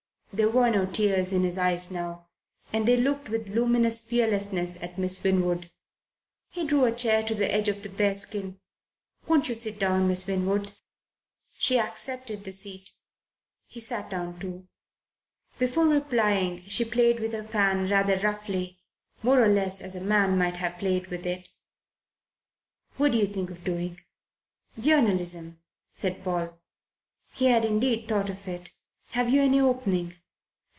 There were no tears in his eyes now, and they looked with luminous fearlessness at Miss Winwood. He drew a chair to the edge of the bearskin. "Won't you sit down, Miss Winwood?" She accepted the seat. He sat down too. Before replying she played with her fan rather roughly more or less as a man might have played with it. "What do you think of doing?" "Journalism," said Paul. He had indeed thought of it. "Have you any opening?"